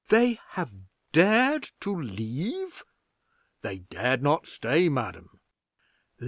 "They have dared to leave?" "They dared not stay, madam."